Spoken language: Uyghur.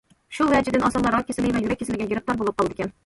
شۇ ۋەجىدىن ئاسانلا راك كېسىلى ۋە يۈرەك كېسىلىگە گىرىپتار بولۇپ قالىدىكەن.